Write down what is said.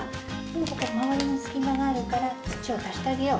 ここ周りに隙間があるから土を足してあげよう。